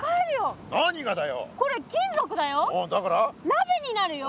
鍋になるよ。